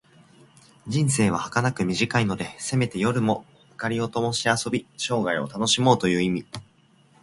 人生ははかなく短いので、せめて夜も灯をともして遊び、生涯を楽しもうという意味。